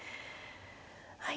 はい。